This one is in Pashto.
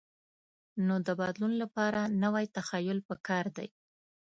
نو د بدلون لپاره نوی تخیل پکار دی.